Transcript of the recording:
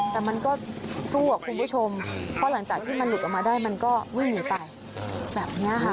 แต่มันก็สู้อ่ะคุณผู้ชมเพราะหลังจากที่มันหลุดออกมาได้มันก็วิ่งหนีไปแบบนี้ค่ะ